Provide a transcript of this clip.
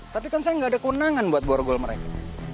tapi kan saya nggak ada kewenangan buat borgol mereka